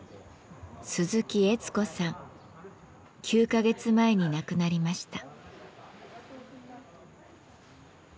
９か月前に亡くなりました。